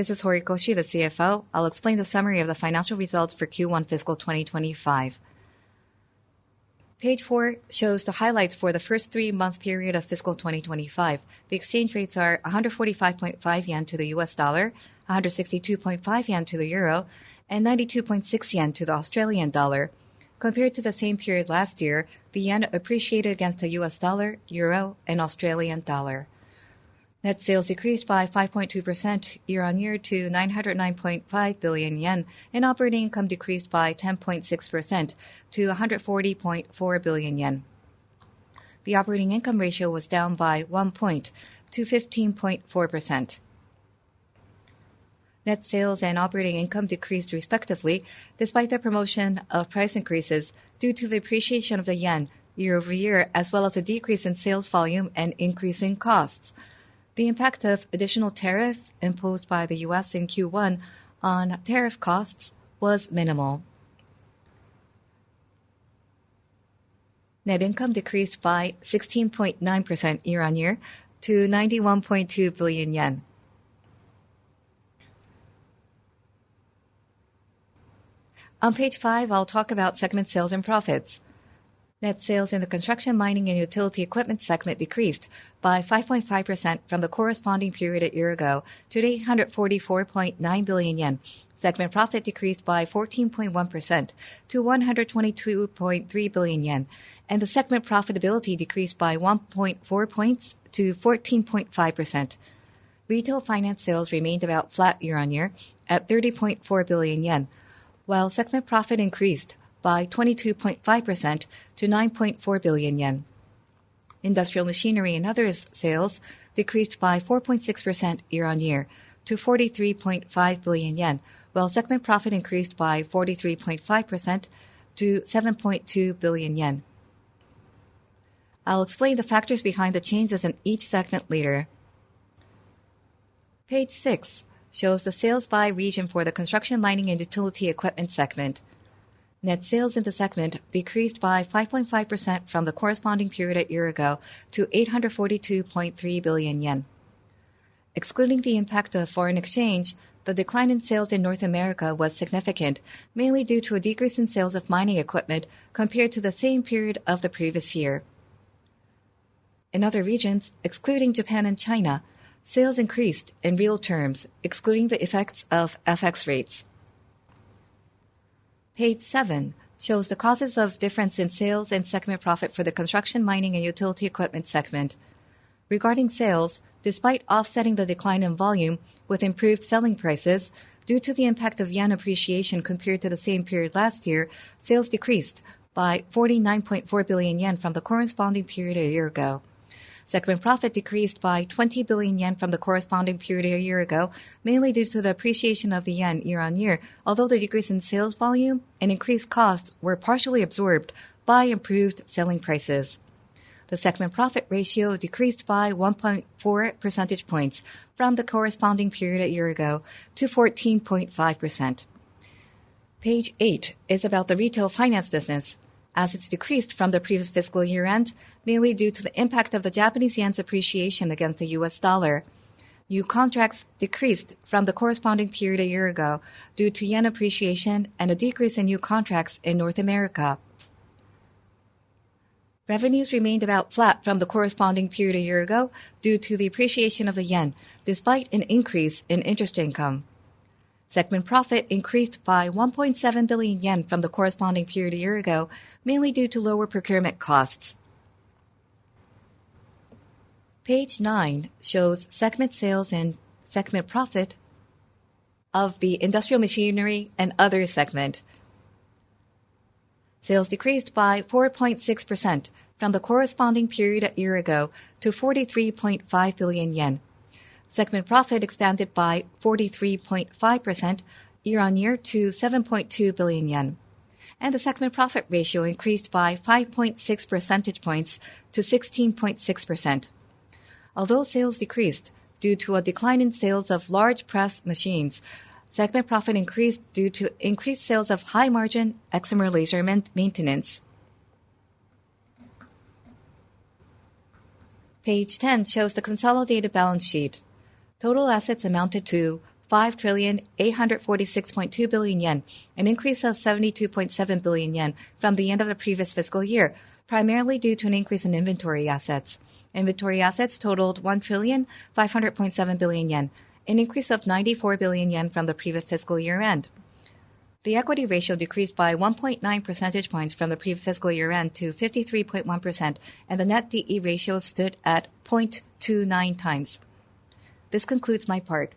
This is Horikoshi the CFO. I'll explain the summary of the financial results for Q1 Fiscal 2025. Page 4 shows the highlights for the first three-month period of Fiscal 2025. The exchange rates are 145.5 yen to the US dollar, 162.5 yen to the euro, and 92.6 yen to the Australian dollar. Compared to the same period last year, the yen appreciated against the US dollar, euro, and Australian dollar. Net sales decreased by 5.2% year-on-year to 909.5 billion yen, and operating income decreased by 10.6% to 140.4 billion yen. The operating income ratio was down by one point to 15.4%. Net sales and operating income decreased respectively, despite the promotion of price increases due to the appreciation of the JPY year-over-year, as well as the decrease in sales volume and increase in costs. The impact of additional tariffs imposed by the US in Q1 on tariff costs was minimal. Net income decreased by 16.9% year-on-year to JPY 91.2 billion. On page 5, I'll talk about segment sales and profits. Net sales in the construction, mining, and utility equipment segment decreased by 5.5% from the corresponding period a year ago to 844.9 billion yen. Segment profit decreased by 14.1% to 122.3 billion yen, and the segment profitability decreased by 1.4 percentage points to 14.5%. Retail finance sales remained about flat year-on-year at 30.4 billion yen, while segment profit increased by 22.5% to 9.4 billion yen. Industrial machinery and other sales decreased by 4.6% year-on-year to 43.5 billion yen, while segment profit increased by 43.5% to 7.2 billion yen. I'll explain the factors behind the changes in each segment later. Page 6 shows the sales by region for the construction, mining, and utility equipment segment. Net sales in the segment decreased by 5.5% from the corresponding period a year ago to 842.3 billion yen. Excluding the impact of foreign exchange, the decline in sales in North America was significant, mainly due to a decrease in sales of mining equipment compared to the same period of the previous year. In other regions, excluding Japan and China, sales increased in real terms, excluding the effects of FX rates. Page 7 shows the causes of difference in sales and segment profit for the construction, mining, and utility equipment segment. Regarding sales, despite offsetting the decline in volume with improved selling prices due to the impact of yen appreciation compared to the same period last year, sales decreased by 49.4 billion yen from the corresponding period a year ago. Segment profit decreased by 20 billion yen from the corresponding period a year ago, mainly due to the appreciation of the yen year-on-year, although the decrease in sales volume and increased costs were partially absorbed by improved selling prices. The segment profit ratio decreased by 1.4 percentage points from the corresponding period a year ago to 14.5%. Page 8 is about the retail finance business, as it decreased from the previous fiscal year-end, mainly due to the impact of the Japanese yen's appreciation against the US dollar. New contracts decreased from the corresponding period a year ago due to yen appreciation and a decrease in new contracts in North America. Revenues remained about flat from the corresponding period a year ago due to the appreciation of the JPY, despite an increase in interest income. Segment profit increased by 1.7 billion yen from the corresponding period a year ago, mainly due to lower procurement costs. Page 9 shows segment sales and segment profit. Of the Industrial Machinery & Others segment. Sales decreased by 4.6% from the corresponding period a year ago to 43.5 billion yen. Segment profit expanded by 43.5% year-on-year to 7.2 billion yen, and the segment profit ratio increased by 5.6 percentage points to 16.6%. Although sales decreased due to a decline in sales of large press machines, segment profit increased due to increased sales of high-margin excimer laser maintenance. Page 10 shows the consolidated balance sheet. Total assets amounted to 5,846.2 billion yen, an increase of 72.7 billion yen from the end of the previous fiscal year, primarily due to an increase in inventory assets. Inventory assets totaled 1,500.7 billion yen, an increase of 94 billion yen from the previous fiscal year-end. The equity ratio decreased by 1.9 percentage points from the previous fiscal year-end to 53.1%, and the net DE ratio stood at 0.29 times. This concludes my part.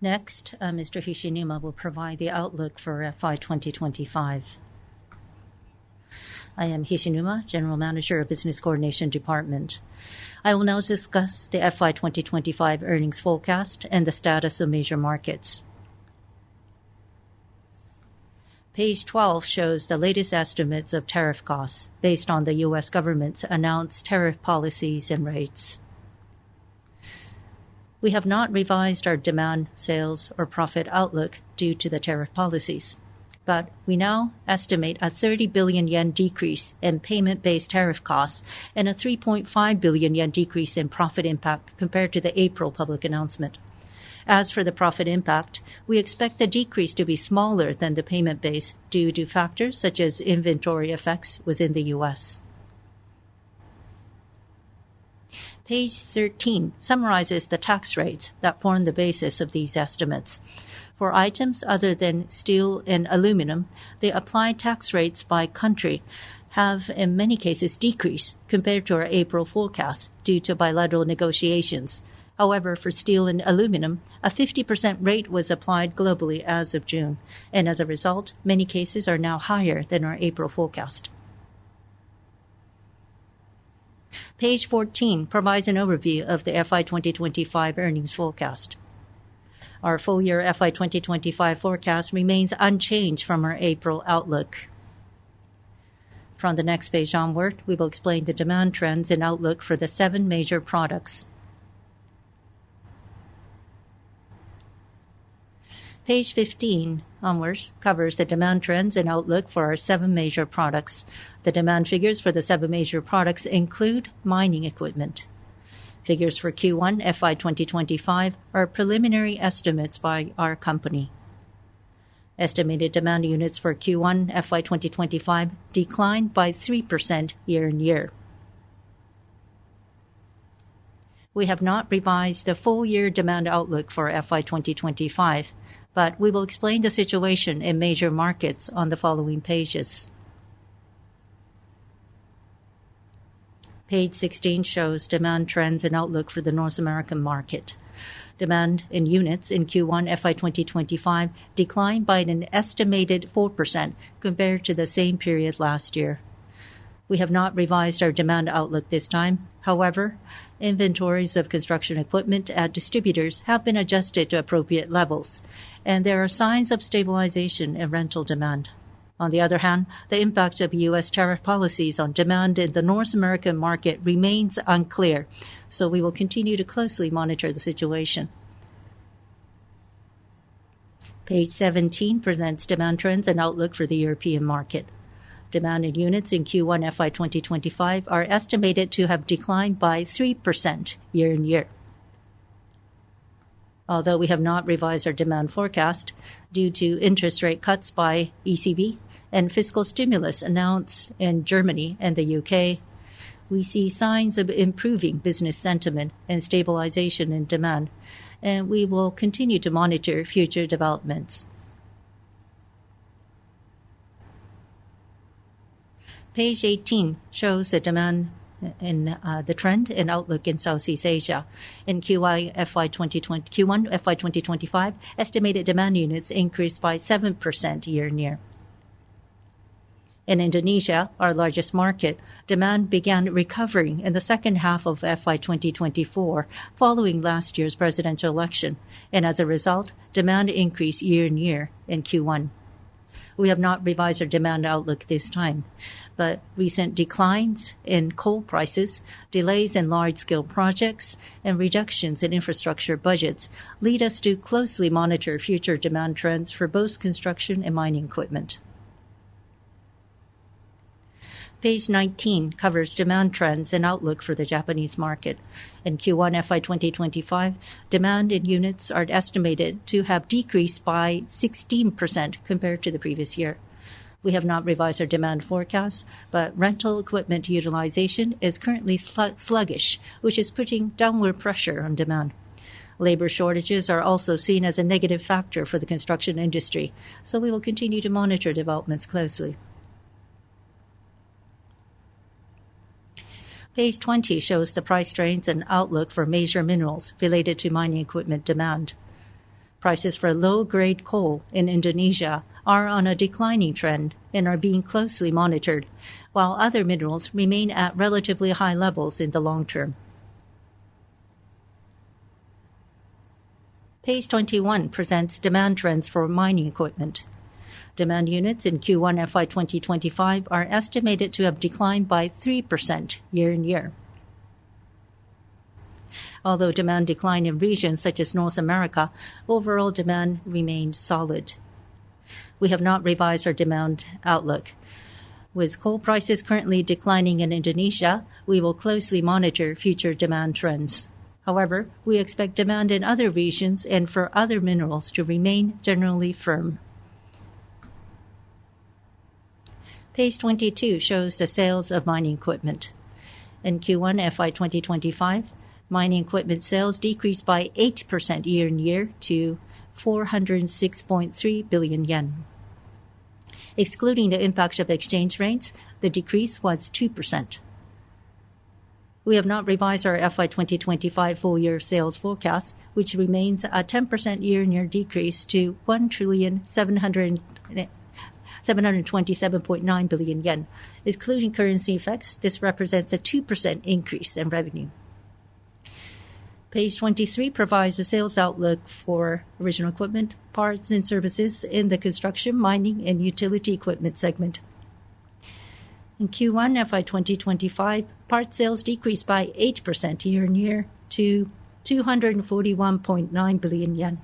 Next, Mr. Hishinuma will provide the outlook for FY 2025. I am Hishinuma, General Manager of Business Coordination Department. I will now discuss the FY 2025 earnings forecast and the status of major markets. Page 12 shows the latest estimates of tariff costs based on the U.S. government's announced tariff policies and rates. We have not revised our demand, sales, or profit outlook due to the tariff policies, but we now estimate a 30 billion yen decrease in payment-based tariff costs and a 3.5 billion yen decrease in profit impact compared to the April public announcement. As for the profit impact, we expect the decrease to be smaller than the payment base due to factors such as inventory effects within the U.S. Page 13 summarizes the tax rates that form the basis of these estimates. For items other than steel and aluminum, the applied tax rates by country have, in many cases, decreased compared to our April forecast due to bilateral negotiations. However, for steel and aluminum, a 50% rate was applied globally as of June, and as a result, many cases are now higher than our April forecast. Page 14 provides an overview of the FY 2025 earnings forecast. Our full-year FY 2025 forecast remains unchanged from our April outlook. From the next page onward, we will explain the demand trends and outlook for the seven major products. Page 15 onwards covers the demand trends and outlook for our seven major products. The demand figures for the seven major products include mining equipment. Figures for Q1 FY 2025 are preliminary estimates by our company. Estimated demand units for Q1 FY 2025 declined by 3% year-on-year. We have not revised the full-year demand outlook for FY 2025, but we will explain the situation in major markets on the following pages. Page 16 shows demand trends and outlook for the North American market. Demand in units in Q1 FY 2025 declined by an estimated 4% compared to the same period last year. We have not revised our demand outlook this time. However, inventories of construction equipment at distributors have been adjusted to appropriate levels, and there are signs of stabilization in rental demand. On the other hand, the impact of U.S. tariff policies on demand in the North American market remains unclear, so we will continue to closely monitor the situation. Page 17 presents demand trends and outlook for the European market. Demand in units in Q1 FY 2025 are estimated to have declined by 3% year-on-year. Although we have not revised our demand forecast due to interest rate cuts by ECB and fiscal stimulus announced in Germany and the United Kingdom, we see signs of improving business sentiment and stabilization in demand, and we will continue to monitor future developments. Page 18 shows the demand in the trend and outlook in Southeast Asia. In Q1 FY 2025, estimated demand units increased by 7% year-on-year. In Indonesia, our largest market, demand began recovering in the second half of FY 2024 following last year's presidential election, and as a result, demand increased year-on-year in Q1. We have not revised our demand outlook this time, but recent declines in coal prices, delays in large-scale projects, and reductions in infrastructure budgets lead us to closely monitor future demand trends for both construction and mining equipment. Page 19 covers demand trends and outlook for the Japanese market. In Q1 FY 2025, demand in units is estimated to have decreased by 16% compared to the previous year. We have not revised our demand forecast, but rental equipment utilization is currently sluggish, which is putting downward pressure on demand. Labor shortages are also seen as a negative factor for the construction industry, so we will continue to monitor developments closely. Page 20 shows the price trends and outlook for major minerals related to mining equipment demand. Prices for low-grade coal in Indonesia are on a declining trend and are being closely monitored, while other minerals remain at relatively high levels in the long term. Page 21 presents demand trends for mining equipment. Demand units in Q1 FY 2025 are estimated to have declined by 3% year-on-year. Although demand declined in regions such as North America, overall demand remained solid. We have not revised our demand outlook. With coal prices currently declining in Indonesia, we will closely monitor future demand trends. However, we expect demand in other regions and for other minerals to remain generally firm. Page 22 shows the sales of mining equipment. In Q1 FY 2025, mining equipment sales decreased by 8% year-on-year to 406.3 billion yen. Excluding the impact of exchange rates, the decrease was 2%. We have not revised our FY 2025 full-year sales forecast, which remains a 10% year-on-year decrease to 1,727.9 billion yen. Excluding currency effects, this represents a 2% increase in revenue. Page 23 provides the sales outlook for original equipment, parts, and services in the construction, mining, and utility equipment segment. In Q1 FY 2025, parts sales decreased by 8% year-on-year to JPY 241.9 billion.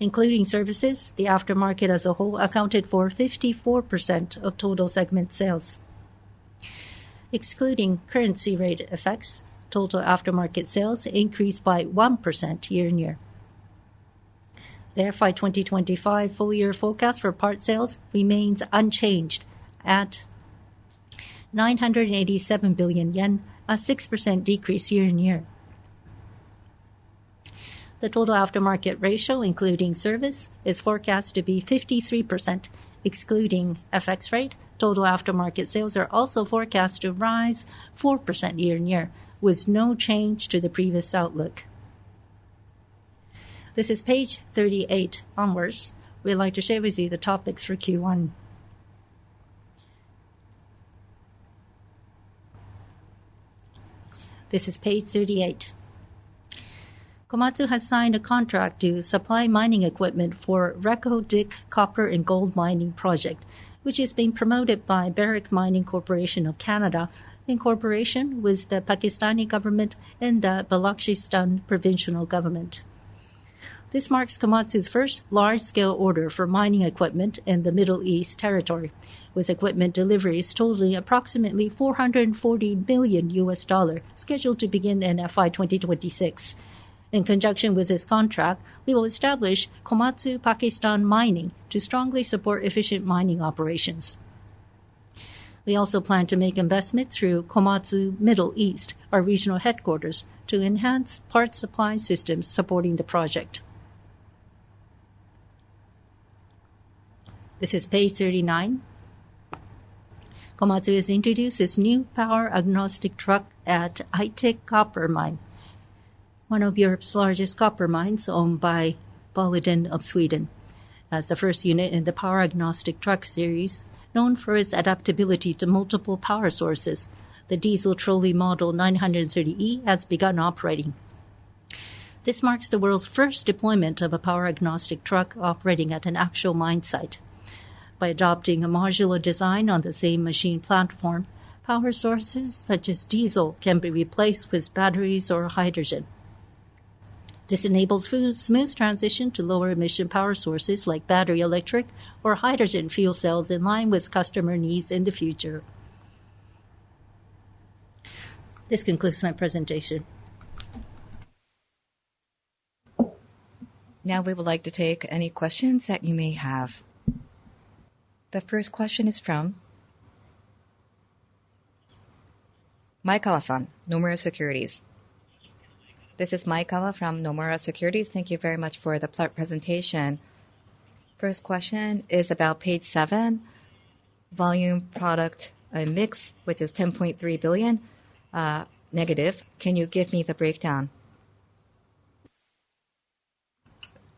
Including services, the aftermarket as a whole accounted for 54% of total segment sales. Excluding currency rate effects, total aftermarket sales increased by 1% year-on-year. The FY 2025 full-year forecast for parts sales remains unchanged at 987 billion yen, a 6% decrease year-on-year. The total aftermarket ratio, including service, is forecast to be 53%. Excluding FX rate, total aftermarket sales are also forecast to rise 4% year-on-year, with no change to the previous outlook. This is page 38 onwards. We'd like to share with you the topics for Q1. This is page 38. Komatsu has signed a contract to supply mining equipment for the Reko Diq copper and gold mining project, which is being promoted by Barrick Mining Corporation of Canada, in cooperation with the Pakistani government and the Balochistan provincial government. This marks Komatsu's first large-scale order for mining equipment in the Middle East territory, with equipment deliveries totaling approximately $440 billion scheduled to begin in FY 2026. In conjunction with this contract, we will establish Komatsu Pakistan Mining to strongly support efficient mining operations. We also plan to make investments through Komatsu Middle East, our regional headquarters, to enhance parts supply systems supporting the project. This is page 39. Komatsu has introduced its new power agnostic truck at High Tech Copper Mine, one of Europe's largest copper mines owned by Boliden of Sweden. As the first unit in the power agnostic truck series, known for its adaptability to multiple power sources, the Diesel Trolley Model 930E has begun operating. This marks the world's first deployment of a power agnostic truck operating at an actual mine site. By adopting a modular design on the same machine platform, power sources such as diesel can be replaced with batteries or hydrogen. This enables smooth transition to lower-emission power sources like battery electric or hydrogen fuel cells in line with customer needs in the future. This concludes my presentation. Now we would like to take any questions that you may have. The first question is from Maekawa-san, Nomura Securities. This is Maekawa from Nomura Securities. Thank you very much for the presentation. First question is about page 7. Volume product and mix, which is $10.3 billion negative. Can you give me the breakdown?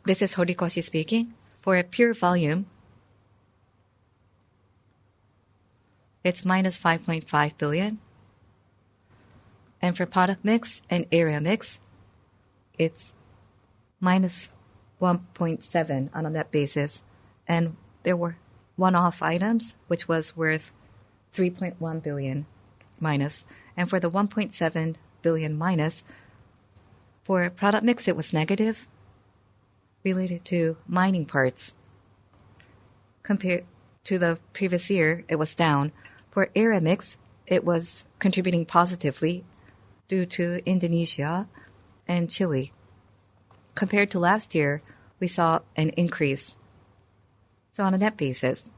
This is Horikoshi speaking. For a pure volume, it is minus $5.5 billion. For product mix and area mix, it is minus $1.7 billion on a net basis. There were one-off items, which was worth minus $3.1 billion. For the $1.7 billion minus, for product mix, it was negative, related to mining parts. Compared to the previous year, it was down. For area mix, it was contributing positively due to Indonesia and Chile. Compared to last year, we saw an increase. On a net basis,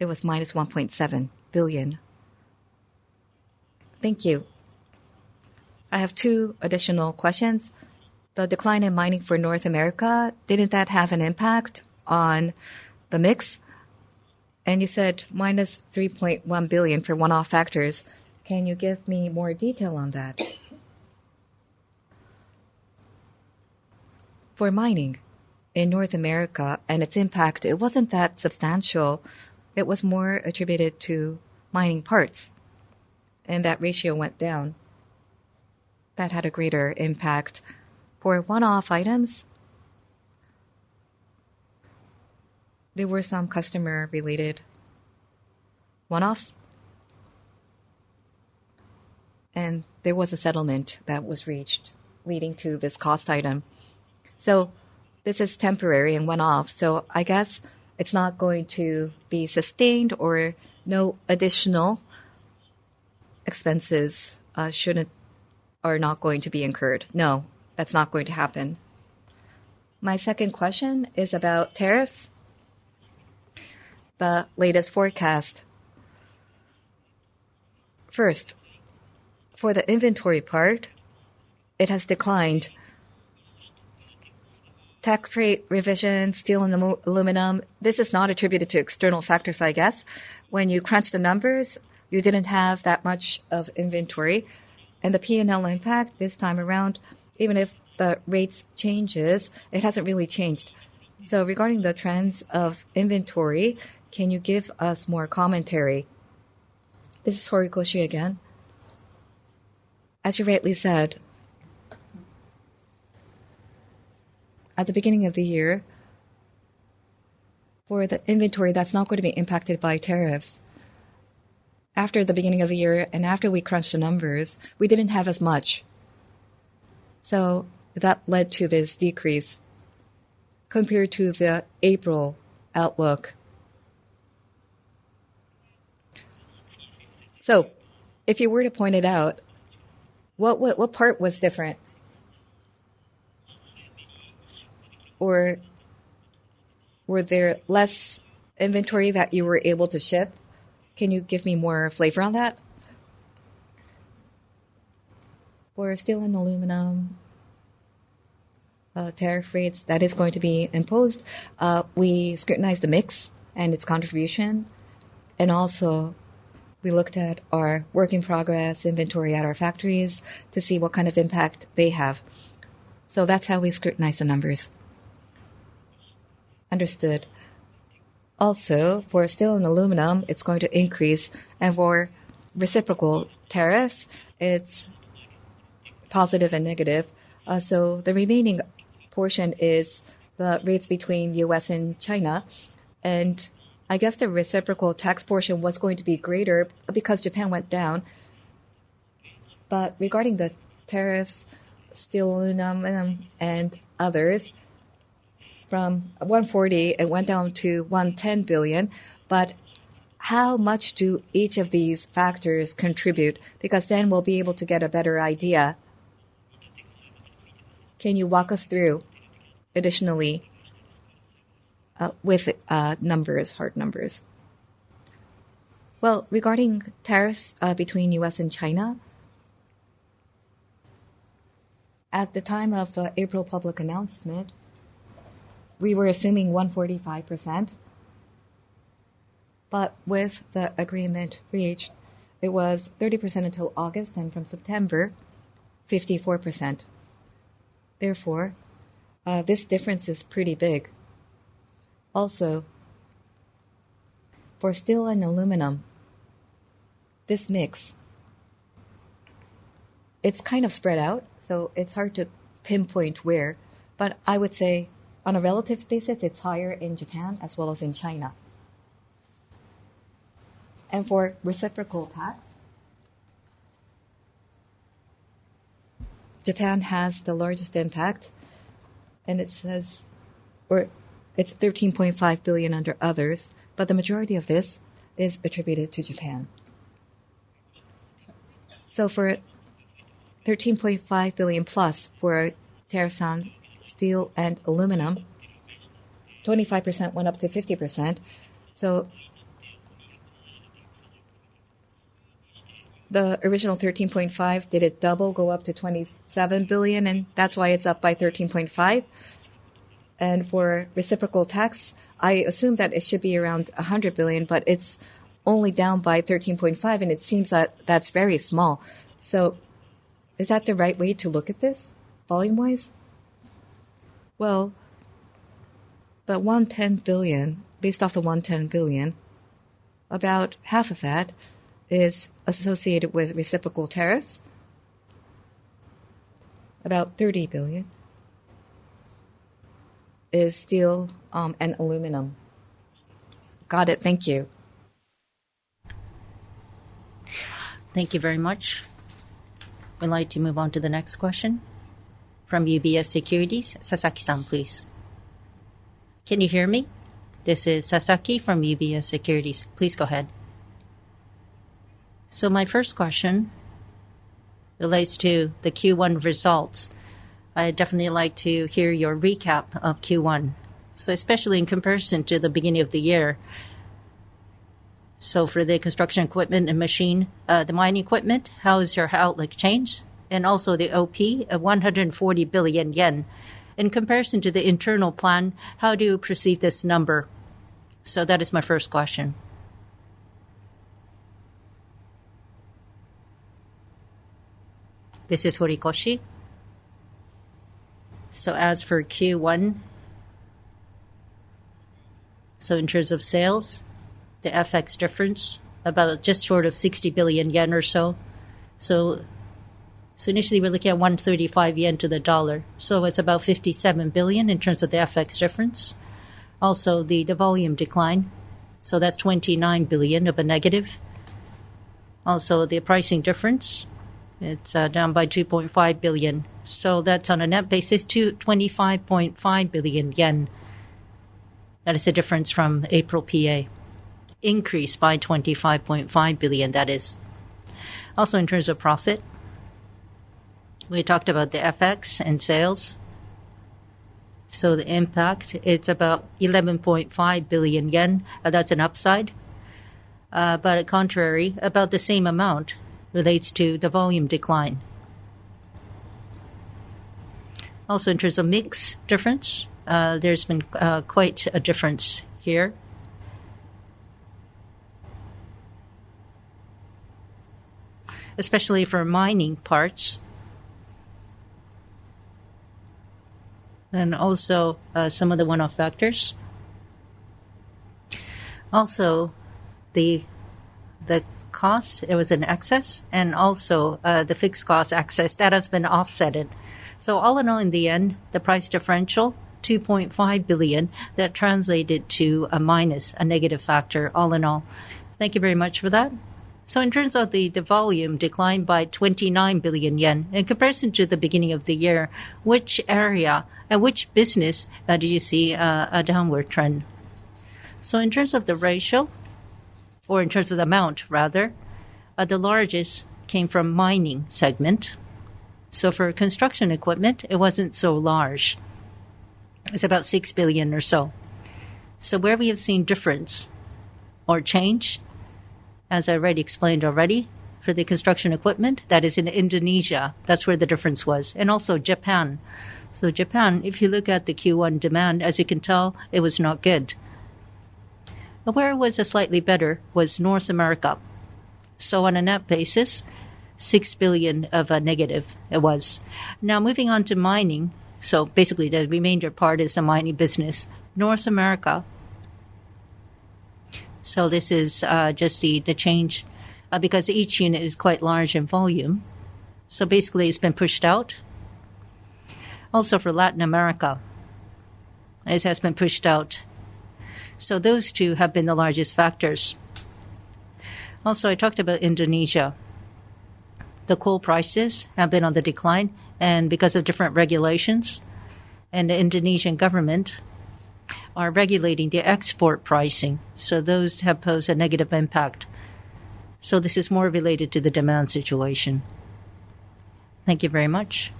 it was minus $1.7 billion. Thank you. I have two additional questions. The decline in mining for North America, did not that have an impact on the mix? You said minus $3.1 billion for one-off factors. Can you give me more detail on that? For mining in North America and its impact, it was not that substantial. It was more attributed to mining parts, and that ratio went down. That had a greater impact. For one-off items, there were some customer-related one-offs, and there was a settlement that was reached leading to this cost item. This is temporary and one-off, so I guess it is not going to be sustained or no additional expenses should or are not going to be incurred. No, that is not going to happen. My second question is about tariffs. The latest forecast. First, for the inventory part, it has declined. Tax rate revision, steel and aluminum. This is not attributed to external factors, I guess. When you crunch the numbers, you did not have that much of inventory. The P&L impact this time around, even if the rates change, it has not really changed. Regarding the trends of inventory, can you give us more commentary? This is Horikoshi again. As you rightly said, at the beginning of the year, for the inventory, that is not going to be impacted by tariffs. After the beginning of the year and after we crunched the numbers, we did not have as much, so that led to this decrease compared to the April outlook. If you were to point it out, what part was different? Were there less inventory that you were able to ship? Can you give me more flavor on that? For steel and aluminum, tariff rates that are going to be imposed, we scrutinized the mix and its contribution. Also, we looked at our work in progress inventory at our factories to see what kind of impact they have. That is how we scrutinized the numbers. Understood. Also, for steel and aluminum, it is going to increase. For reciprocal tariffs, it is positive and negative. The remaining portion is the rates between the U.S. and China. I guess the reciprocal tax portion was going to be greater because Japan went down. Regarding the tariffs, steel and aluminum and others, from 140, it went down to 110 billion. How much do each of these factors contribute? Because then we will be able to get a better idea. Can you walk us through, additionally, with numbers, hard numbers? Regarding tariffs between the U.S. and China, at the time of the April public announcement, we were assuming 145%. With the agreement reached, it was 30% until August, and from September, 54%. Therefore, this difference is pretty big. Also, for steel and aluminum, this mix, it is kind of spread out, so it is hard to pinpoint where, but I would say on a relative basis, it is higher in Japan as well as in China. For reciprocal tax, Japan has the largest impact. It says it is 13.5 billion under others, but the majority of this is attributed to Japan. For 13.5 billion plus for tariff on steel and aluminum, 25% went up to 50%. The original 13.5 billion, did it double, go up to 27 billion? That is why it is up by 13.5 billion. For reciprocal tax, I assume that it should be around 100 billion, but it is only down by 13.5 billion, and it seems that is very small. Is that the right way to look at this, volume-wise? The 110 billion, based off the 110 billion, about half of that is associated with reciprocal tariffs. About JPY 30 billion is steel and aluminum. Got it. Thank you. Thank you very much. I'd like to move on to the next question from UBS Securities. Sasaki-san, please. Can you hear me? This is Sasaki from UBS Securities. Please go ahead. So my first question relates to the Q1 results. I'd definitely like to hear your recap of Q1, so especially in comparison to the beginning of the year. For the construction equipment and machine, the mining equipment, how has your outlook changed? Also the OP, 140 billion yen. In comparison to the internal plan, how do you perceive this number? That is my first question. This is Horikoshi. As for Q1, in terms of sales, the FX difference, about just short of 60 billion yen or so. Initially, we were looking at 135 yen to the dollar. It's about 57 billion in terms of the FX difference. Also, the volume decline, that's 29 billion of a negative. Also, the pricing difference, it's down by 2.5 billion. That's on a net basis to 25.5 billion yen. That is the difference from April PA. Increase by 25.5 billion, that is. Also, in terms of profit, we talked about the FX and sales. The impact, it's about 11.5 billion yen. That's an upside. Contrary, about the same amount relates to the volume decline. In terms of mix difference, there's been quite a difference here, especially for mining parts and also some of the one-off factors. Also, the cost, it was an excess. Also, the fixed cost excess, that has been offset. All in all, in the end, the price differential, 2.5 billion, that translated to a minus, a negative factor, all in all. Thank you very much for that. In terms of the volume decline by 29 billion yen, in comparison to the beginning of the year, which area and which business did you see a downward trend? In terms of the ratio, or in terms of the amount, rather, the largest came from mining segment. For construction equipment, it wasn't so large. It's about 6 billion or so. Where we have seen difference or change, as I already explained already, for the construction equipment, that is in Indonesia, that's where the difference was. Also Japan. Japan, if you look at the Q1 demand, as you can tell, it was not good. Where it was slightly better was North America. On a net basis, 6 billion of a negative it was. Now moving on to mining. Basically, the remainder part is the mining business. North America, this is just the change because each unit is quite large in volume. Basically, it's been pushed out. Also, for Latin America, it has been pushed out. Those two have been the largest factors. Also, I talked about Indonesia. The coal prices have been on the decline, and because of different regulations, and the Indonesian government are regulating the export pricing. Those have posed a negative impact. This is more related to the demand situation. Thank you very much.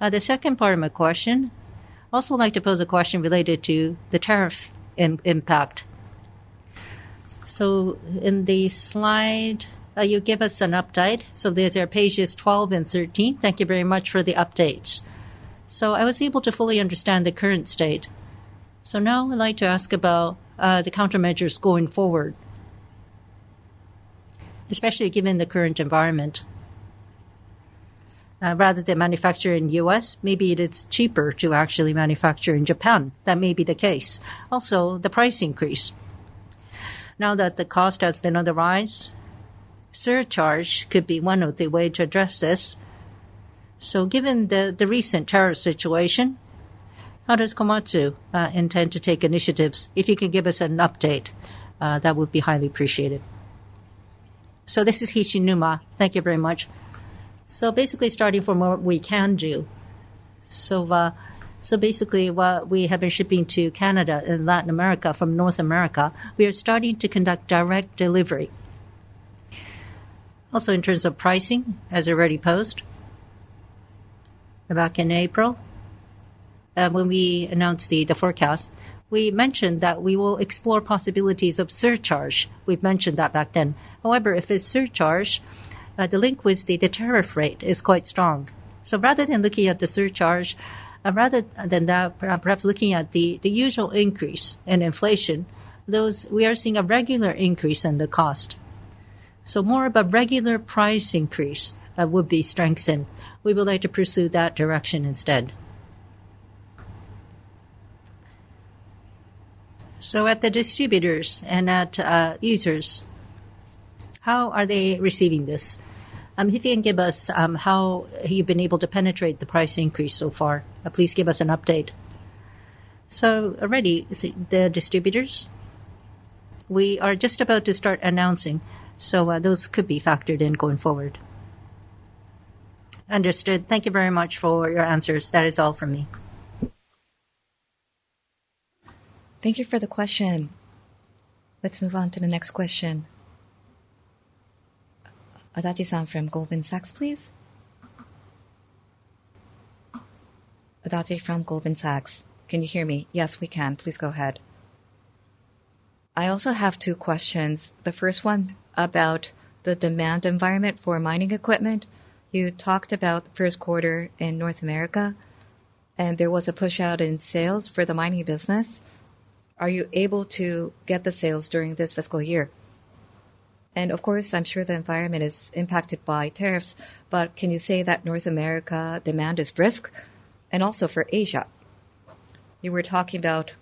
The second part of my question, I'd also like to pose a question related to the tariff impact. In the slide, you gave us an update. There are pages 12 and 13. Thank you very much for the updates. I was able to fully understand the current state. Now I'd like to ask about the countermeasures going forward, especially given the current environment. Rather than manufacture in the U.S., maybe it is cheaper to actually manufacture in Japan. That may be the case. Also, the price increase. Now that the cost has been on the rise, surcharge could be one of the ways to address this. Given the recent tariff situation, how does Komatsu intend to take initiatives? If you can give us an update, that would be highly appreciated. This is Hishinuma. Thank you very much. Basically, starting from what we can do. What we have been shipping to Canada and Latin America from North America, we are starting to conduct direct delivery. Also, in terms of pricing, as already posed, back in April, when we announced the forecast, we mentioned that we will explore possibilities of surcharge. We've mentioned that back then. However, if it's surcharge, the liquidity, the tariff rate is quite strong. Rather than looking at the surcharge, perhaps looking at the usual increase in inflation, we are seeing a regular increase in the cost. More of a regular price increase would be strengthened. We would like to pursue that direction instead. At the distributors and at users, how are they receiving this? If you can give us how you've been able to penetrate the price increase so far, please give us an update. Already, the distributors, we are just about to start announcing. Those could be factored in going forward. Understood. Thank you very much for your answers. That is all from me. Thank you for the question. Let's move on to the next question. Adachi-san from Goldman Sachs, please. Adachi from Goldman Sachs. Can you hear me? Yes, we can. Please go ahead. I also have two questions. The first one about the demand environment for mining equipment. You talked about the first quarter in North America, and there was a push out in sales for the mining business. Are you able to get the sales during this fiscal year? Of course, I'm sure the environment is impacted by tariffs. Can you say that North America demand is brisk? Also for Asia, you were talking about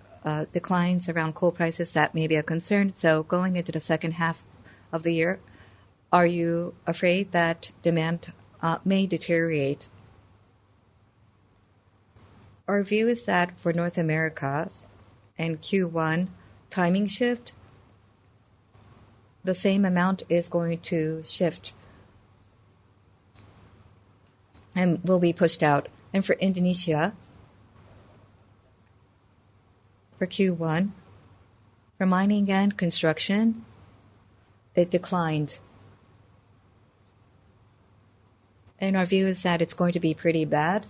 declines around coal prices that may be a concern. Going into the second half of the year, are you afraid that demand may deteriorate? Our view is that for North America and Q1 timing shift, the same amount is going to shift and will be pushed out. For Indonesia, for Q1, for mining and construction, it declined. Our view is that it's going to be pretty bad.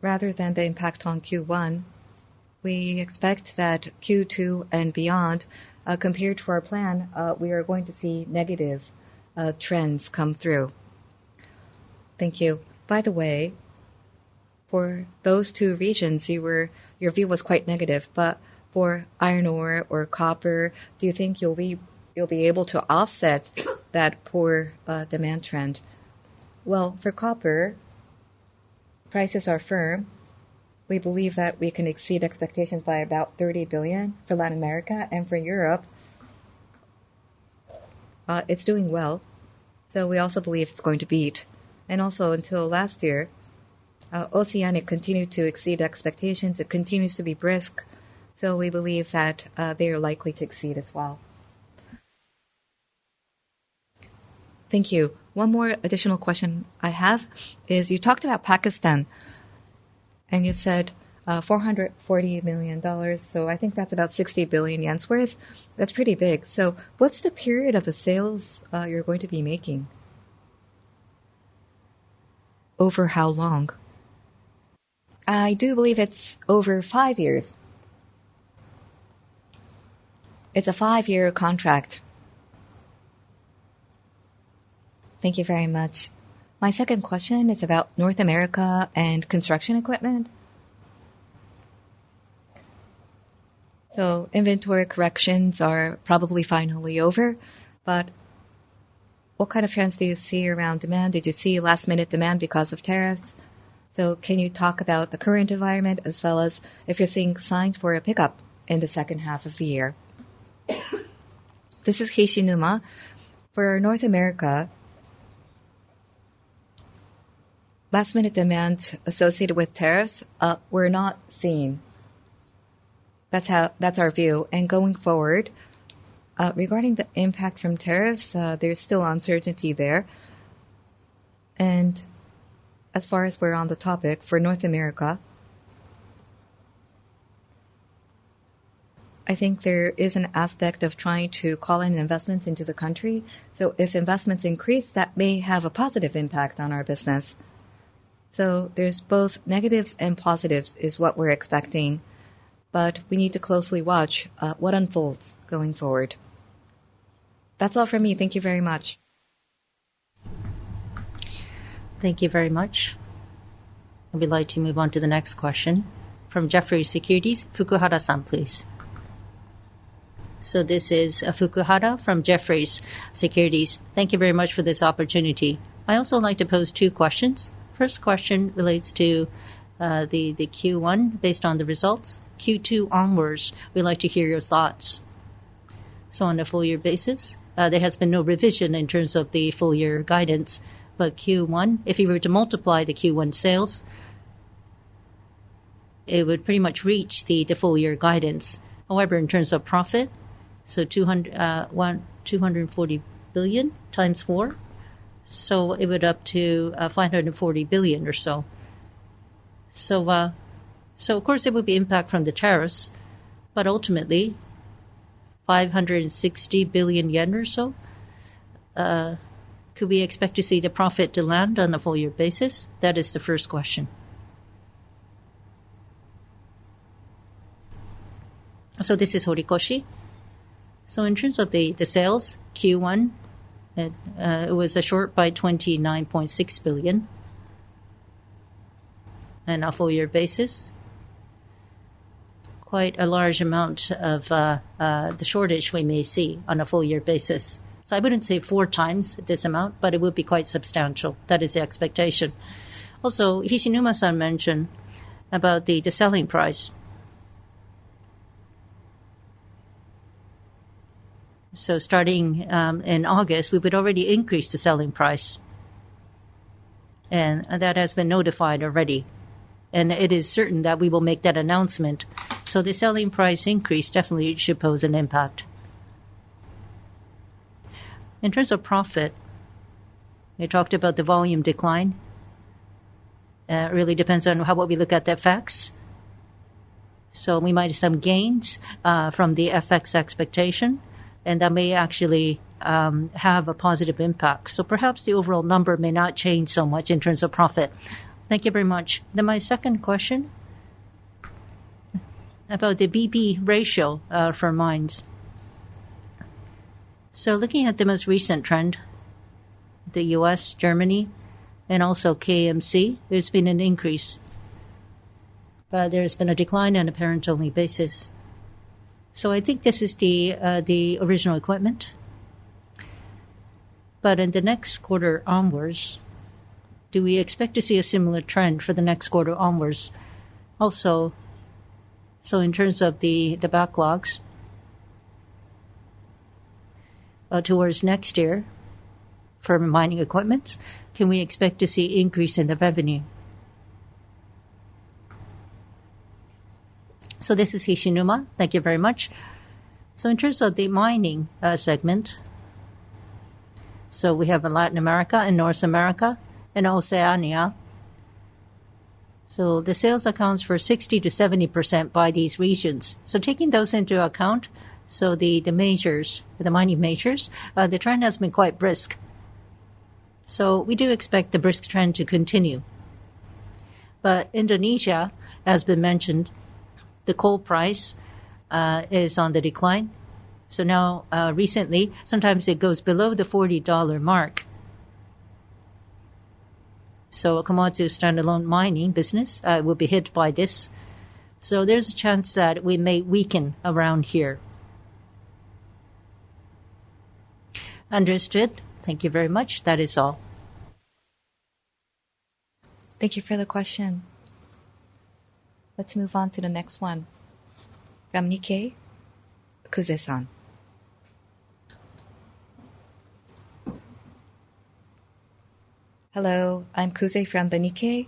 Rather than the impact on Q1, we expect that Q2 and beyond, compared to our plan, we are going to see negative trends come through. Thank you. By the way, for those two regions, your view was quite negative, but for iron ore or copper, do you think you'll be able to offset that poor demand trend? For copper, prices are firm. We believe that we can exceed expectations by about 30 billion for Latin America, and for Europe, it's doing well, so we also believe it's going to beat. Also, until last year, Oceanic continued to exceed expectations. It continues to be brisk, so we believe that they are likely to exceed as well. Thank you. One more additional question I have is you talked about Pakistan, and you said $440 million, so I think that's about 60 billion's worth. That's pretty big. What's the period of the sales you're going to be making? Over how long? I do believe it's over five years. It's a five-year contract. Thank you very much. My second question is about North America and construction equipment. Inventory corrections are probably finally over. What kind of trends do you see around demand? Did you see last-minute demand because of tariffs? Can you talk about the current environment as well as if you're seeing signs for a pickup in the second half of the year? This is Hishinuma. For North America, last-minute demand associated with tariffs were not seen. That's our view. Going forward, regarding the impact from tariffs, there's still uncertainty there. As far as we're on the topic, for North America, I think there is an aspect of trying to call in investments into the country. If investments increase, that may have a positive impact on our business. There's both negatives and positives is what we're expecting, but we need to closely watch what unfolds going forward. That's all from me. Thank you very much. Thank you very much. I'd be glad to move on to the next question from Jefferies Securities. Fukuhara-san, please. This is Fukuhara from Jefferies Securities. Thank you very much for this opportunity. I'd also like to pose two questions. First question relates to the Q1 based on the results. Q2 onwards, we'd like to hear your thoughts. On a full-year basis, there has been no revision in terms of the full-year guidance. Q1, if you were to multiply the Q1 sales, it would pretty much reach the full-year guidance. However, in terms of profit, 240 billion times four, it would be up toJPY 540 billion or so. Of course, there would be impact from the tariffs, but ultimately, JPY 560 billion or so, could we expect to see the profit to land on a full-year basis? That is the first question. This is Horikoshi. In terms of the sales, Q1 was short by JPY 29.6 billion. On a full-year basis, quite a large amount of the shortage we may see on a full-year basis. I would not say four times this amount, but it would be quite substantial. That is the expectation. Also, Hishinuma has mentioned the selling price. Starting in August, we would already increase the selling price, and that has been notified already. It is certain that we will make that announcement. The selling price increase definitely should pose an impact. In terms of profit, we talked about the volume decline. It really depends on how we look at the effects. We might have some gains from the FX expectation, and that may actually have a positive impact. Perhaps the overall number may not change so much in terms of profit. Thank you very much. Then my second question, about the BB ratio for mines. Looking at the most recent trend, the US, Germany, and also KMC, there has been an increase, but there has been a decline on a parent-only basis. I think this is the original equipment. In the next quarter onwards, do we expect to see a similar trend for the next quarter onwards? Also, in terms of the backlogs towards next year, for mining equipment, can we expect to see an increase in the revenue? This is Hishinuma. Thank you very much. In terms of the mining segment, we have Latin America, North America, and Oceania. The sales account for 60-70% by these regions. Taking those into account, the measures, the mining measures, the trend has been quite brisk. We do expect the brisk trend to continue. Indonesia, as has been mentioned, the coal price is on the decline. Now recently, sometimes it goes below the $40 mark. A Komatsu standalone mining business will be hit by this, so there is a chance that we may weaken around here. Understood. Thank you very much. That is all. Thank you for the question. Let's move on to the next one. From Nikkei, Kuze-san. Hello. I'm Kuze from the Nikkei.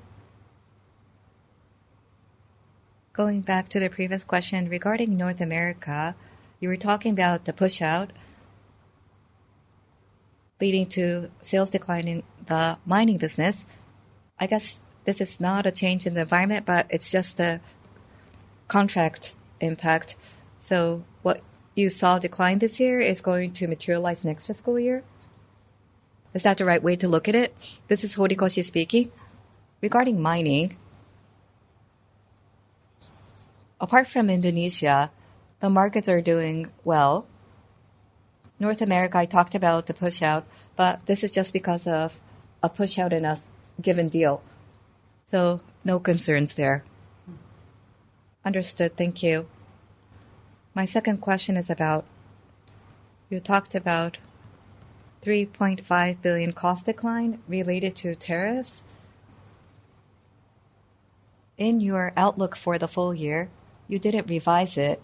Going back to the previous question regarding North America, you were talking about the push out leading to sales declining in the mining business. I guess this is not a change in the environment, but it is just a contract impact. What you saw decline this year is going to materialize next fiscal year. Is that the right way to look at it? This is Horikoshi speaking. Regarding mining, apart from Indonesia, the markets are doing well. North America, I talked about the push out, but this is just because of a push out in a given deal. No concerns there. Understood. Thank you. My second question is about. $3.5 billion cost decline related to tariffs. In your outlook for the full year, you did not revise it.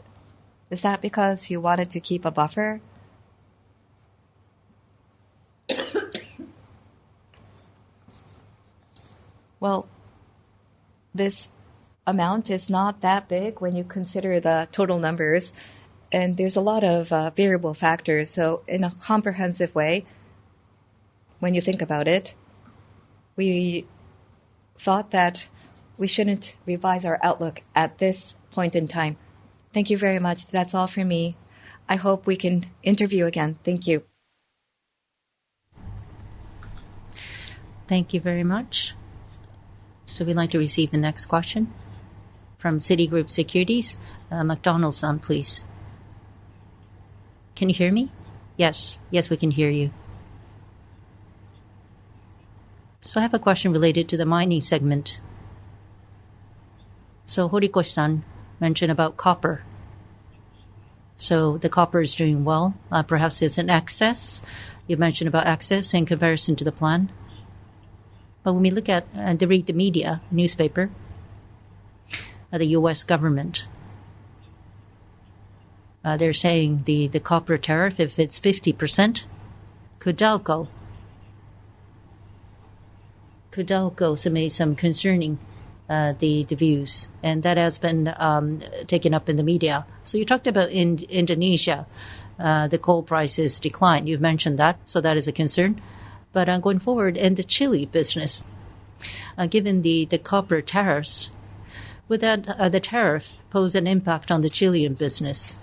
Is that because you wanted to keep a buffer? This amount is not that big when you consider the total numbers. There are a lot of variable factors. In a comprehensive way, when you think about it, we thought that we should not revise our outlook at this point in time. Thank you very much. That is all from me. I hope we can interview again. Thank you. Thank you very much. We'd like to receive the next question from Citigroup Securities. McDonald-san, please. Can you hear me? Yes. Yes, we can hear you. I have a question related to the mining segment. Horikoshi-san mentioned about copper. The copper is doing well. Perhaps it's an excess. You mentioned about excess in comparison to the plan. When we look at the media newspaper, the U.S. government, they're saying the copper tariff, if it's 50%. Codelco. Codelco made some concerning views, and that has been taken up in the media. You talked about in Indonesia, the coal prices declined. You've mentioned that. That is a concern. Going forward in the Chile business, given the copper tariffs, would that, the tariff, pose an impact on the Chilean business?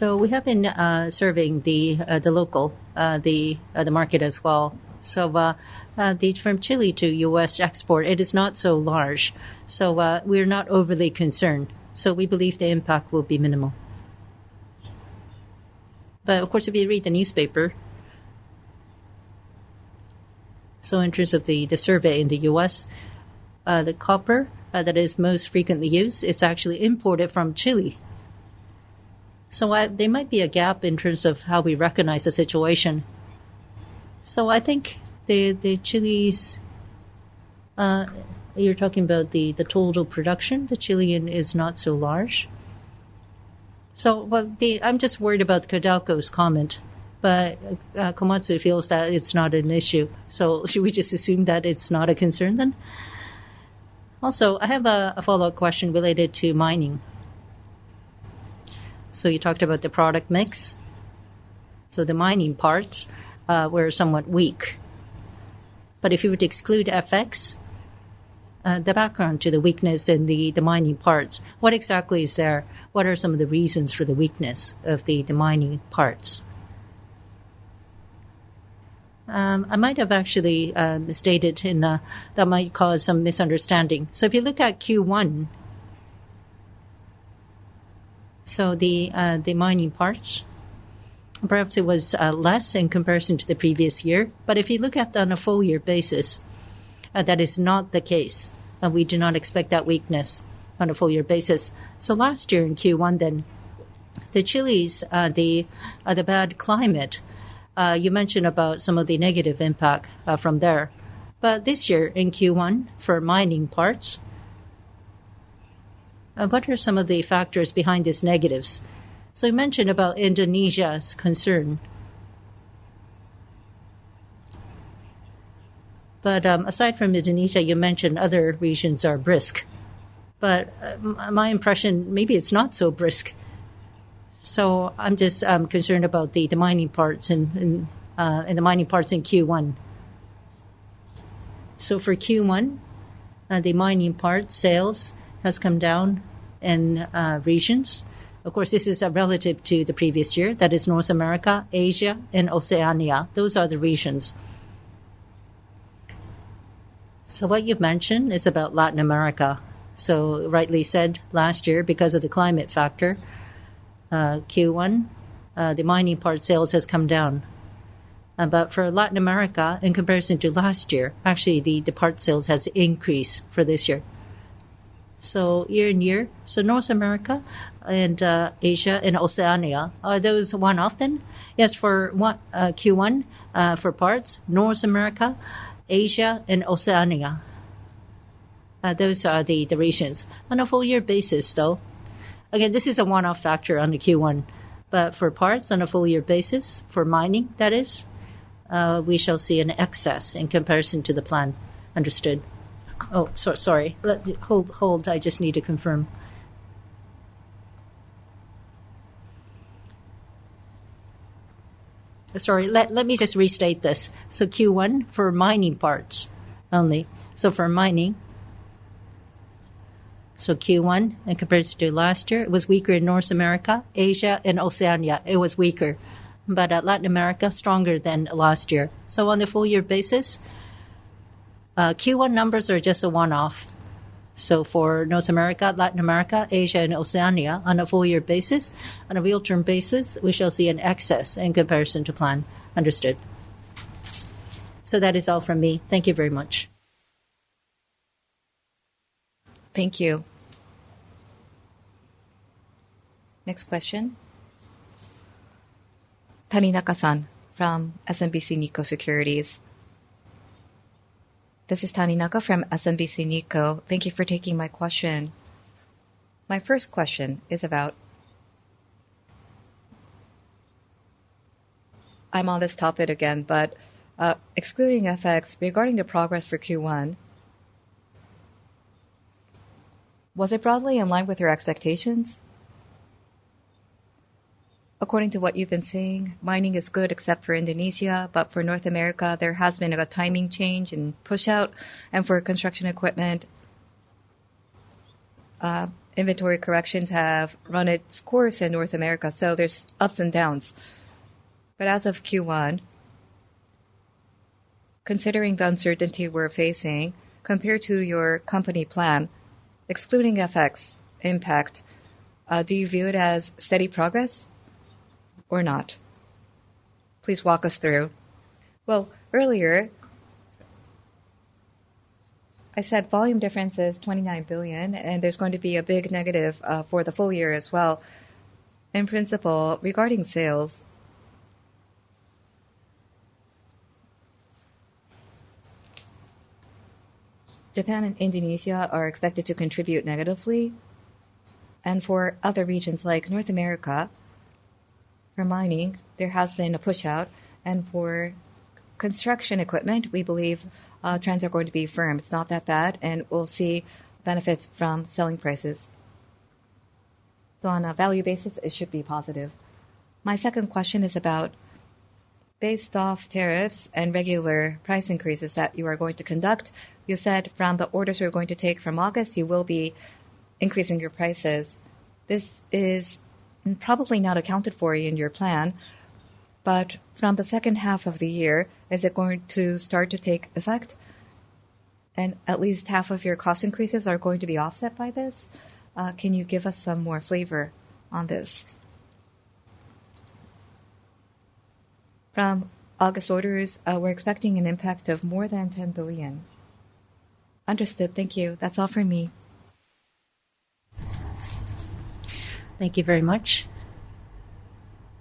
We have been surveying the local, the market as well. From Chile to U.S. export, it is not so large. We're not overly concerned. We believe the impact will be minimal. Of course, if you read the newspaper, in terms of the survey in the U.S., the copper that is most frequently used is actually imported from Chile. There might be a gap in terms of how we recognize the situation. I think Chile's, you're talking about the total production, the Chilean is not so large. I'm just worried about Codelco's comment. Komatsu feels that it's not an issue. Should we just assume that it's not a concern then? Also, I have a follow-up question related to mining. You talked about the product mix. The mining parts were somewhat weak. If you would exclude FX, the background to the weakness in the mining parts, what exactly is there? What are some of the reasons for the weakness of the mining parts? I might have actually stated that might cause some misunderstanding. If you look at Q1, the mining parts, perhaps it was less in comparison to the previous year. If you look at it on a full-year basis, that is not the case. We do not expect that weakness on a full-year basis. Last year in Q1 then, Chile's, the bad climate, you mentioned about some of the negative impact from there. This year in Q1 for mining parts, what are some of the factors behind these negatives? You mentioned about Indonesia's concern. Aside from Indonesia, you mentioned other regions are brisk. My impression, maybe it's not so brisk. I'm just concerned about the mining parts in Q1. For Q1, the mining part sales has come down. In regions, of course, this is relative to the previous year. That is North America, Asia, and Oceania. Those are the regions. What you've mentioned is about Latin America. Rightly said last year because of the climate factor. Q1, the mining part sales has come down. But for Latin America, in comparison to last year, actually the part sales has increased for this year. So year and year. North America and Asia and Oceania, are those one-off then? Yes, for Q1, for parts, North America, Asia, and Oceania. Those are the regions. On a full-year basis, though. Again, this is a one-off factor on the Q1. But for parts, on a full-year basis, for mining, that is. We shall see an excess in comparison to the plan. Understood. Oh, sorry. Hold, hold. I just need to confirm. Sorry, let me just restate this. Q1 for mining parts only. For mining. Q1, in comparison to last year, it was weaker in North America, Asia, and Oceania. It was weaker. But Latin America, stronger than last year. On the full-year basis. Q1 numbers are just a one-off. For North America, Latin America, Asia, and Oceania, on a full-year basis, on a real-term basis, we shall see an excess in comparison to plan. Understood. That is all from me. Thank you very much. Thank you. Next question. Taninaka-san from SMBC Nikko Securities. This is Taninaka from SMBC Nikko. Thank you for taking my question. My first question is about, I'm on this topic again, but excluding FX, regarding the progress for Q1. Was it broadly in line with your expectations? According to what you've been seeing, mining is good except for Indonesia. For North America, there has been a timing change in push out. For construction equipment, inventory corrections have run its course in North America. There are ups and downs. As of Q1, considering the uncertainty we're facing, compared to your company plan, excluding FX impact, do you view it as steady progress or not? Please walk us through. Earlier, I said volume difference is 29 billion, and there's going to be a big negative for the full year as well. In principle, regarding sales, Japan and Indonesia are expected to contribute negatively. For other regions like North America, for mining, there has been a push out. For construction equipment, we believe trends are going to be firm. It's not that bad, and we'll see benefits from selling prices. On a value basis, it should be positive. My second question is about, based off tariffs and regular price increases that you are going to conduct. You said from the orders you're going to take from August, you will be increasing your prices. This is probably not accounted for in your plan, but from the second half of the year, is it going to start to take effect? At least half of your cost increases are going to be offset by this. Can you give us some more flavor on this? From August orders, we're expecting an impact of more than 10 billion. Understood. Thank you. That's all from me. Thank you very much.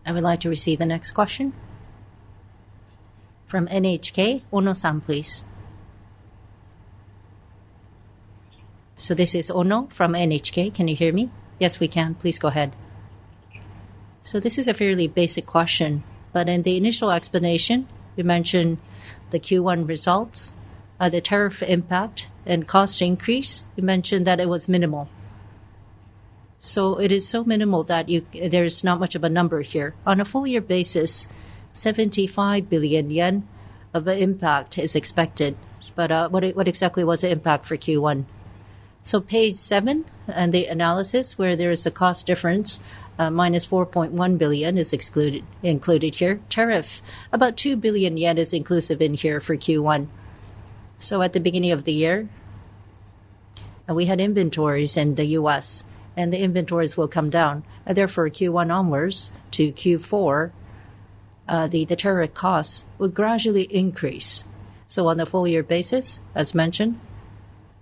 I would like to receive the next question. From NHK, Ono-san, please. This is Ono from NHK. Can you hear me? Yes, we can. Please go ahead. This is a fairly basic question. In the initial explanation, you mentioned the Q1 results, the tariff impact, and cost increase. You mentioned that it was minimal. It is so minimal that there's not much of a number here. On a full-year basis, 75 billion yen of an impact is expected. What exactly was the impact for Q1? Page seven and the analysis where there is a cost difference, minus 4.1 billion is included. Here, tariff, about 2 billion yen is inclusive in here for Q1. At the beginning of the year, we had inventories in the U.S., and the inventories will come down. Therefore, Q1 onwards to Q4, the tariff costs will gradually increase. On a full-year basis, as mentioned,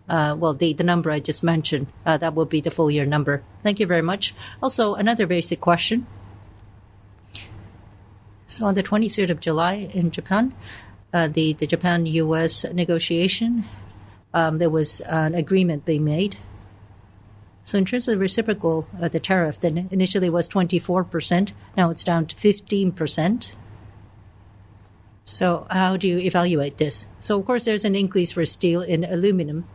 the number I just mentioned, that will be the full-year number. Thank you very much. Also, another basic question. On the 23rd of July in Japan, the Japan-U.S. negotiation, there was an agreement being made. In terms of the reciprocal of the tariff, initially it was 24%. Now it's down to 15%. How do you evaluate this? Of course, there's an increase for steel and aluminum.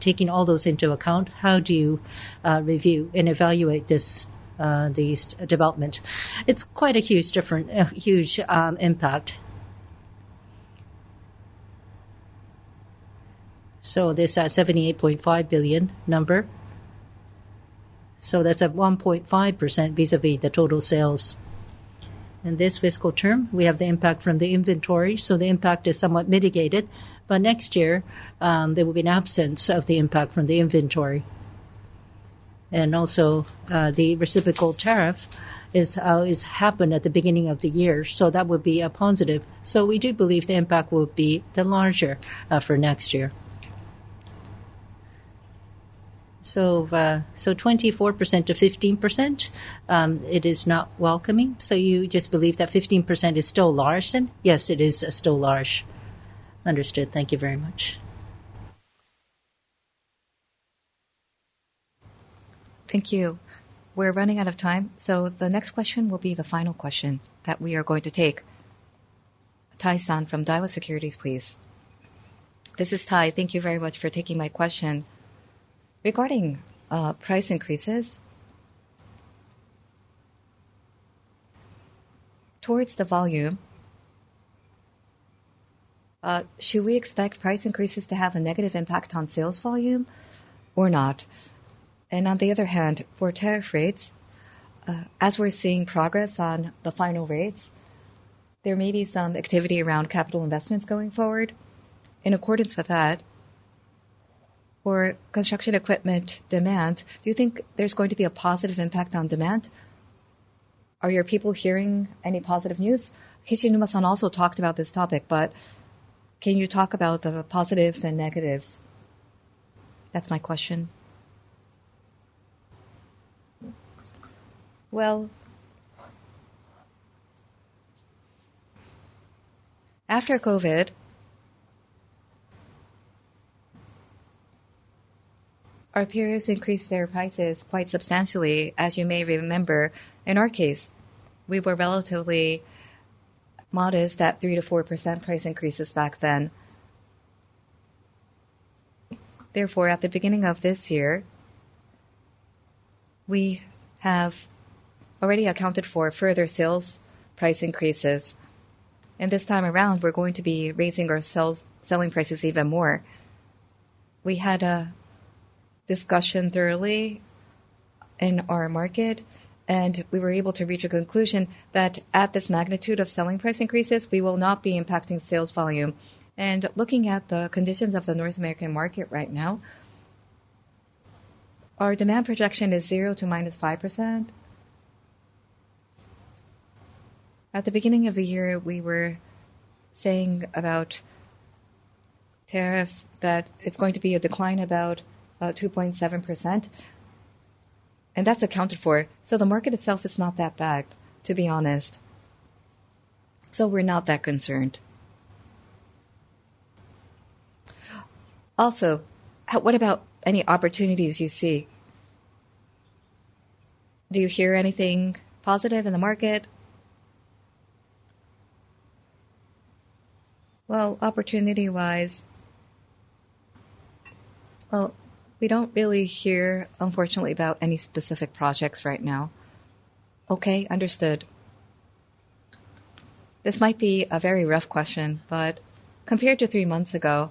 Taking all those into account, how do you review and evaluate this development? It's quite a huge impact. This 78.5 billion number, that's at 1.5% vis-à-vis the total sales. In this fiscal term, we have the impact from the inventory, so the impact is somewhat mitigated. Next year, there will be an absence of the impact from the inventory. Also, the reciprocal tariff is how it happened at the beginning of the year, so that would be a positive. We do believe the impact will be larger for next year. 24% to 15%, it is not welcoming. You just believe that 15% is still large then? Yes, it is still large. Understood. Thank you very much. Thank you. We're running out of time. The next question will be the final question that we are going to take. Tai-san from Daiwa Securities, please. This is Tai. Thank you very much for taking my question. Regarding price increases. Towards the volume, should we expect price increases to have a negative impact on sales volume or not? On the other hand, for tariff rates. As we're seeing progress on the final rates, there may be some activity around capital investments going forward. In accordance with that. For construction equipment demand, do you think there's going to be a positive impact on demand? Are your people hearing any positive news? Hishinuma-san also talked about this topic, but can you talk about the positives and negatives? That's my question. After COVID. Our peers increased their prices quite substantially. As you may remember, in our case, we were relatively modest at 3-4% price increases back then. Therefore, at the beginning of this year. We have already accounted for further sales price increases. This time around, we're going to be raising our selling prices even more. We had a discussion thoroughly in our market, and we were able to reach a conclusion that at this magnitude of selling price increases, we will not be impacting sales volume. Looking at the conditions of the North American market right now. Our demand projection is 0 to minus 5%. At the beginning of the year, we were saying about tariffs that it's going to be a decline about 2.7%. That's accounted for. The market itself is not that bad, to be honest. We're not that concerned. What about any opportunities you see? Do you hear anything positive in the market? Opportunity-wise, we don't really hear, unfortunately, about any specific projects right now. Okay, understood. This might be a very rough question, but compared to three months ago.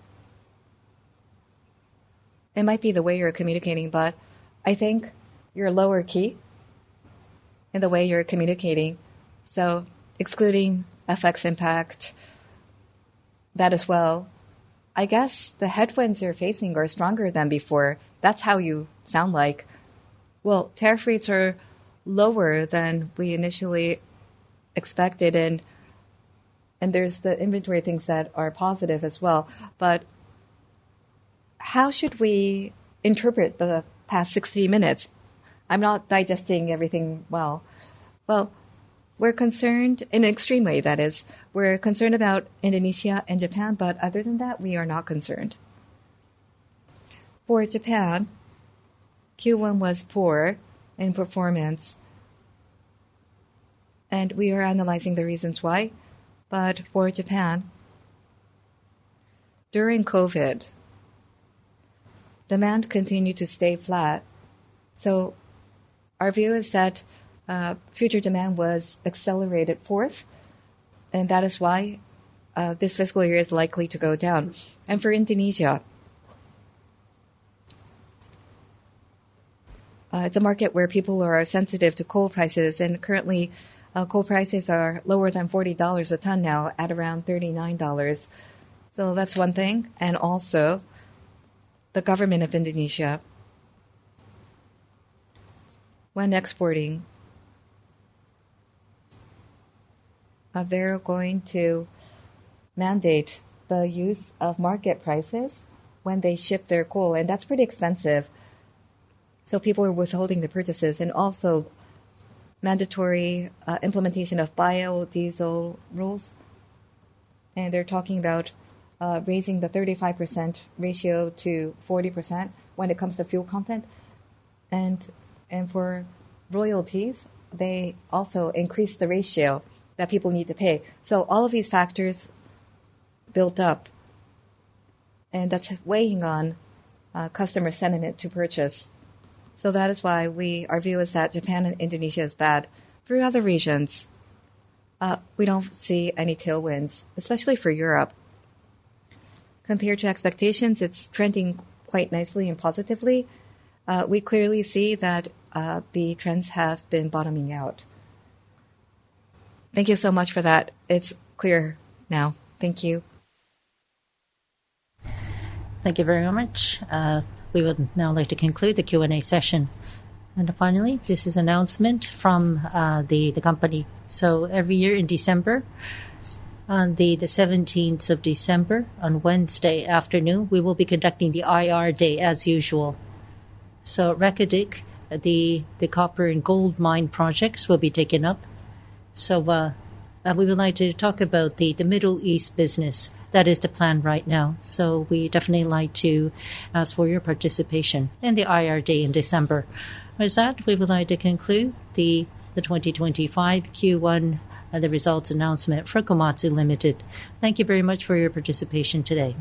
It might be the way you're communicating, but I think you're lower key in the way you're communicating. Excluding FX impact, that as well. I guess the headwinds you're facing are stronger than before. That's how you sound like. Tariff rates are lower than we initially expected, and there's the inventory things that are positive as well. How should we interpret the past 60 minutes? I'm not digesting everything well. We're concerned in an extreme way, that is. We're concerned about Indonesia and Japan, but other than that, we are not concerned. For Japan, Q1 was poor in performance. We are analyzing the reasons why. For Japan, during COVID, demand continued to stay flat. Our view is that future demand was accelerated forth. That is why this fiscal year is likely to go down. For Indonesia, it's a market where people are sensitive to coal prices. Currently, coal prices are lower than $40 a ton now at around $39. That's one thing. Also, the government of Indonesia, when exporting, is going to mandate the use of market prices when they ship their coal. That is pretty expensive, so people are withholding the purchases. Also, mandatory implementation of biodiesel rules, and they are talking about raising the 35% ratio to 40% when it comes to fuel content. For royalties, they also increased the ratio that people need to pay. All of these factors built up, and that is weighing on customers' sentiment to purchase. That is why our view is that Japan and Indonesia is bad. For other regions, we do not see any tailwinds, especially for Europe. Compared to expectations, it is trending quite nicely and positively. We clearly see that the trends have been bottoming out. Thank you so much for that. It is clear now. Thank you. Thank you very much. We would now like to conclude the Q&A session. Finally, this is an announcement from the company. Every year in December, on the 17th of December, on Wednesday afternoon, we will be conducting the IR Day, as usual. Reko Diq, the copper and gold mine projects, will be taken up. We would like to talk about the Middle East business. That is the plan right now. We definitely would like to ask for your participation in the IR Day in December. With that, we would like to conclude the 2025 Q1 and the results announcement for Komatsu Ltd. Thank you very much for your participation today.